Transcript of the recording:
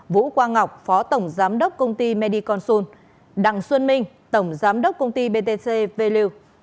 vũ quang ngọc phó tổng giám đốc công ty mediconsul đằng xuân minh tổng giám đốc công ty btc value